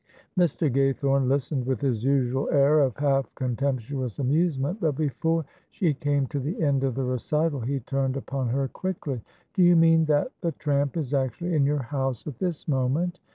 Mr. Gaythorne listened with his usual air of half contemptuous amusement; but before she came to the end of the recital he turned upon her quickly. "Do you mean that the tramp is actually in your house at this moment?"